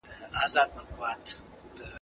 منځنۍ پېړۍ د صليبي جنګونو کيسې لري.